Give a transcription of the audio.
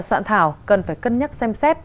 soạn thảo cần phải cân nhắc xem xét